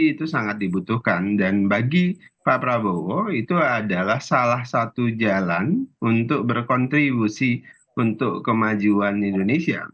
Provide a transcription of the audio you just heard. itu sangat dibutuhkan dan bagi pak prabowo itu adalah salah satu jalan untuk berkontribusi untuk kemajuan indonesia